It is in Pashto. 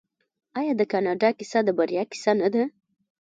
آیا د کاناډا کیسه د بریا کیسه نه ده؟